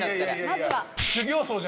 まずは。